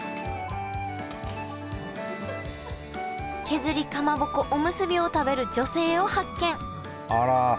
削りかまぼこおむすびを食べる女性を発見あら！